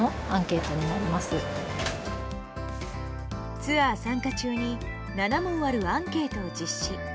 ツアー参加中に７問あるアンケートを実施。